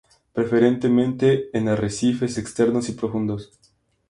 Preferentemente en arrecifes externos y profundos.